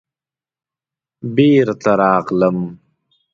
بېرته راغلم.